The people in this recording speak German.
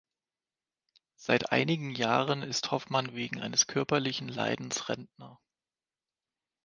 Seit einigen Jahren ist Hoffmann wegen eines körperlichen Leidens Rentner.